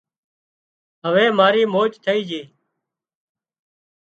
هوي مارِي موج ٿئي جھئي